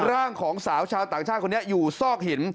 ร่างของสาวชาวต่างชาติคนนี้อยู่ซอกหิน